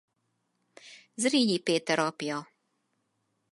Zrínyi Péter apja.